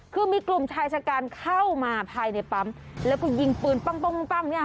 คือมีกลุ่มชายชะกันเข้ามาภายในปั๊มแล้วก็ยิงปืนปั้งเนี่ย